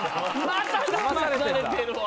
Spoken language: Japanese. まただまされてるわ。